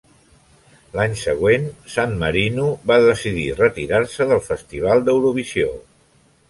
L'any següent, San Marino va decidir retirar-se del Festival d'Eurovisió.